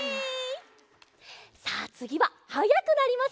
さあつぎははやくなりますよ！